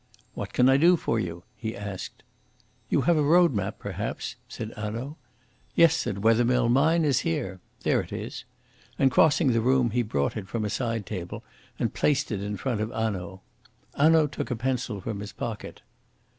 "What can I do for you?" he asked. "You have a road map, perhaps?" said Hanaud. "Yes," said Wethermill, "mine is here. There it is"; and crossing the room he brought it from a sidetable and placed it in front of Hanaud. Hanaud took a pencil from his pocket.